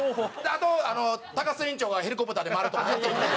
あと「高須院長がヘリコプターで回るとこね」って言いますね。